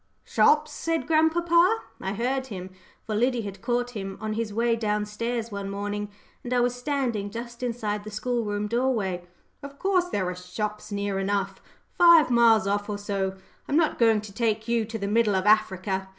"Shops," said grandpapa I heard him, for Liddy had caught him on his way down stairs one morning, and I was standing just inside the school room doorway; "of course there are shops near enough five miles off or so. I'm not going to take you to the middle of Africa.